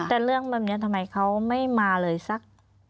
แต่เรื่องแบบนี้ทำไมเขาไม่มาเลยสัก